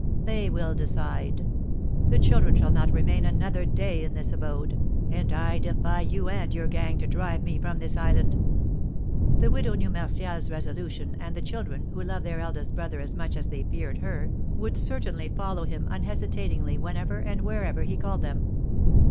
They will decide. The children shall not remain another day in this abode; and I defy you and your gang to drive me from this island!" The widow knew Martial's resolution, and the children, who loved their eldest brother as much as they feared her, would certainly follow him unhesitatingly whenever and wherever he called them.